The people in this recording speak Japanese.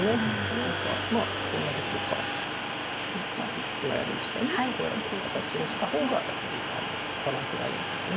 何かまあこうやるとか今やりましたようにこういう形にした方がやはりバランスがいいのでね。